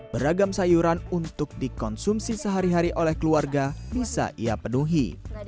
beragam sayuran untuk dikonsumsi sehari hari oleh keluarga bisa ia penuhi